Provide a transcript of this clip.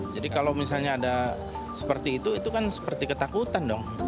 jadi kalau misalnya ada seperti itu itu kan seperti ketakutan dong